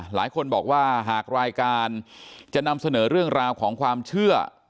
หลายคนบอกว่าหากรายการจะนำเสนอเรื่องราวของความเชื่อ